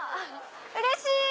うれしい！